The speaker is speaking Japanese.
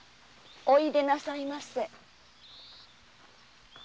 おいでなさいませ。